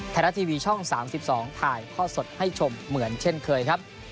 ไทยรัฐทีวีช่อง๓๒ถ่ายทอดสดให้ชมเหมือนเช่นเคยครับ